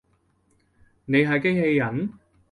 你係機器人？